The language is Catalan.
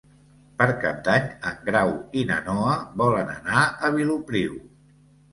Per Cap d'Any en Grau i na Noa volen anar a Vilopriu.